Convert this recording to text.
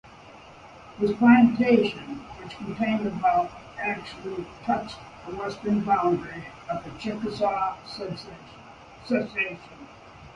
His plantation, which contained about actually touched the western boundary of the Chickasaw Cession.